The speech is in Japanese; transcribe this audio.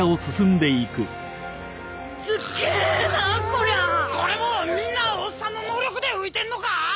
コリャこれもみんなオッサンの能力で浮いてんのか？